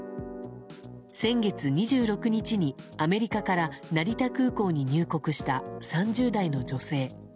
先月２６日にアメリカから成田空港に入国した３０代の女性。